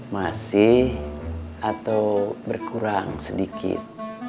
masih atau berkurang sedikit